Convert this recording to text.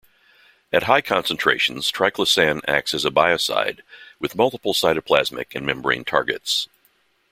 At high concentrations, triclosan acts as a biocide with multiple cytoplasmic and membrane targets.